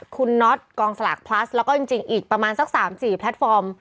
คุณน็อตกองสลากพลัสแล้วก็จริงอีกประมาณสัก๓๔แพลตฟอร์ม